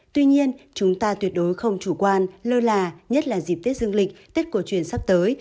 tuy nhiên chúng ta tuyệt đối không chủ quan lơ là nhất là dịp tết dương lịch tết cổ truyền sắp tới